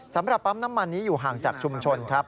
สำหรับปั๊มน้ำมันนี้อยู่ห่างจากชุมชนครับ